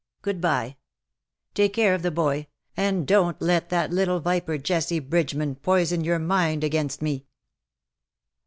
Good bye. Take care of the boy; and don't let that little viper, Jessie Bridgeman, poison your mind against me."